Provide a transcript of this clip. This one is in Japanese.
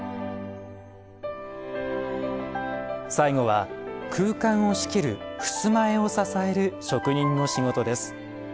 最後は空間を仕切る襖絵を支える職人の仕事です。